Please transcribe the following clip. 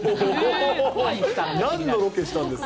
なんのロケしたんですか？